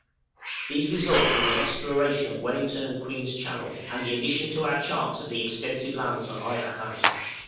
These results were the exploration of Wellington and Queen's Channel, and the addition to our charts of the extensive lands on either hand.